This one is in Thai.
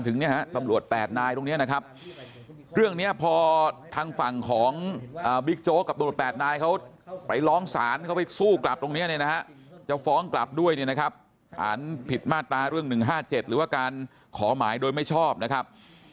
เนี่ยเรื่อง๑๕๗หรือว่าการขอหมายโดยไม่ชอบนะครับ